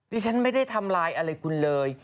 ฉันไม่ได้ทำลายอะไรคุณเลย